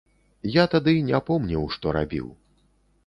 Я тады не помніў, што рабіў.